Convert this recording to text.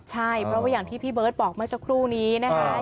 ใช่เพราะว่าอย่างที่พี่เบิร์ตบอกเมื่อสักครู่นี้นะคะ